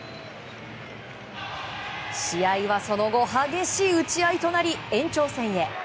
試合は、その後激しい打ち合いとなり延長戦へ。